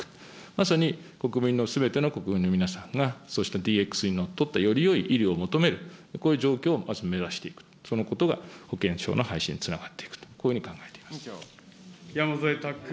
まさに国民のすべての国民の皆さんが、そうしたＤＸにのっとった、よりよい医療を求める、こういう状況をまず目指していく、そのことが保険証の廃止につながっていくと、こういうふうに考えていま山添拓君。